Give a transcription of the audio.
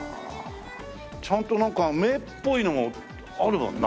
ちゃんとなんか目っぽいのもあるもんな。